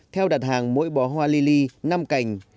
theo đặt hàng mỗi bó hoa lili năm cành